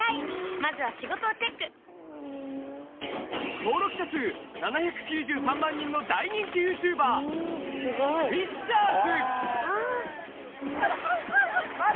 登録者数７９３万人の大人気ＹｏｕＴｕｂｅｒ、Ｆｉｓｃｈｅｒ’ｓ。